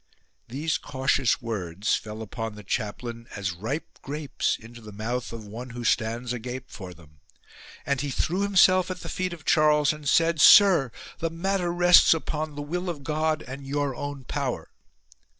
" These cautious words fell upon the chaplain as ripe grapes into the mouth of one who stands agape for them, and he threw himself at the feet of Charles and said, " Sire, the matter rests upon the will of God and your own power."